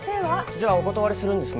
じゃあお断りするんですね。